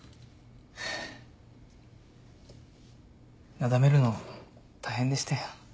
なだめるの大変でしたよ。